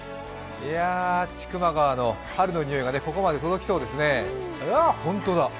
千曲川の春の匂いがここまで届きそうですね。